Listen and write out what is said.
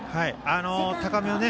高めをね。